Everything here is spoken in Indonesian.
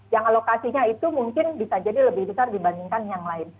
yang alokasinya itu mungkin bisa jadi lebih besar dibandingkan yang lain